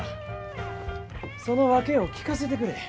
その訳を聞かせてくれ。